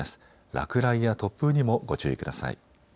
落雷や突風にもご注意ください。